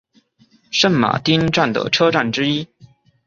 圣马丁站的车站之一。